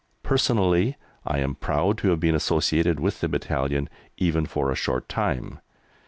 Personally I am proud to have been associated with the battalion even for a short time.